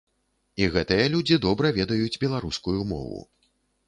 І гэтыя людзі добра ведаюць беларускую мову.